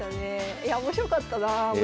いや面白かったな森先生。